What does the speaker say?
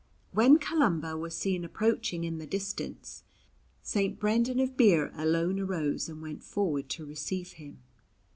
When Columba was seen approaching in the distance, St. Brendan of Birr alone arose and went forward to receive him.